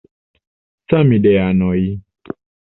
Samideanoj!